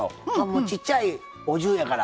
ちっちゃい、お重やから。